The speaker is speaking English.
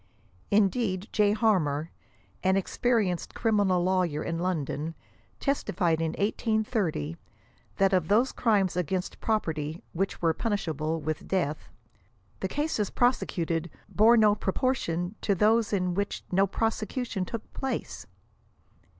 Indeed J. Harmar, an experienced criminal lawyer in London, testified in 1830, that of those crimes against property which Avere punishable with death, " the cases prosecuted bore no pro' portion to those in which no prosecution look place."